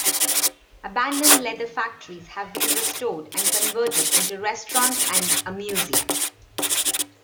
Abandoned leather factories have been restored and converted into restaurants and a museum.